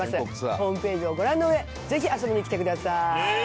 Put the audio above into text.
ホームページをご覧の上ぜひ遊びに来てください。